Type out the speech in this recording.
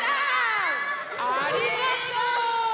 ありがとう！